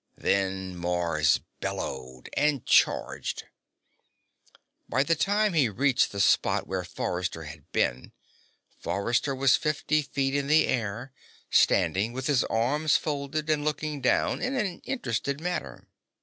Then Mars bellowed and charged. By the time he reached the spot where Forrester had been, Forrester was fifty feet in the air, standing with his arms folded and looking down in an interested manner.